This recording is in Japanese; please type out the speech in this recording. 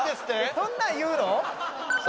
そんなん言うの？